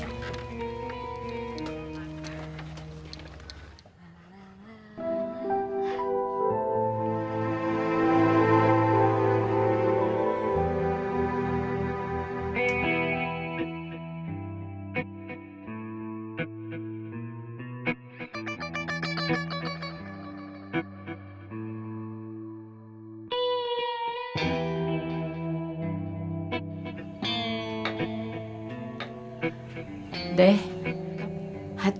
biar kota ikan kasur